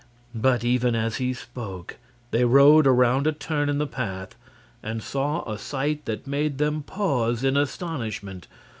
But even as he spoke they rode around a turn in the path and saw a sight that made them pause in astonishment.